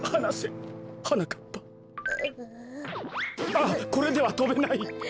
あっこれではとべない。